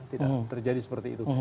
tidak terjadi seperti itu